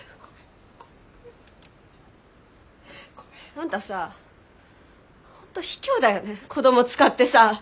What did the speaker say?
あんたさ本当ひきょうだよね子ども使ってさ。